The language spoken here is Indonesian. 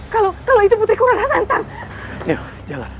kalau itu putriku merasakan